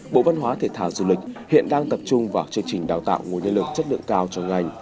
bộ văn hóa thể thao du lịch hiện đang tập trung vào chương trình đào tạo nguồn nhân lực chất lượng cao cho ngành